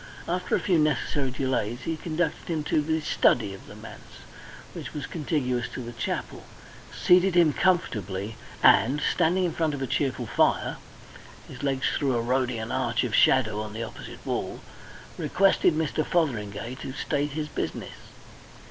After a few necessary delays, he conducted him to the study of the manse, which was contiguous to the chapel, seated him comfortably, and, standing in front of a cheerful fire his legs threw a Rhodian arch of shadow on the opposite wall requested Mr. Fotheringay to state his business.